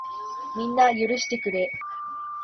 みんな、許してくれ。